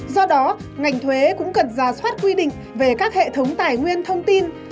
do đó ngành thuế cũng cần ra soát quy định về các hệ thống tài nguyên thông tin